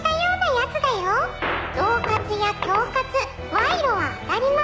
「恫喝や恐喝賄賂は当たり前」